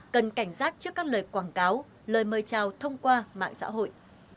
cần cảnh giác trước các lời quảng cáo lời mời chào thông qua mạng xã hội